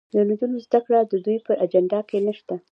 د نجونو زدهکړه د دوی په اجنډا کې نشته.